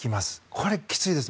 これ、きついです。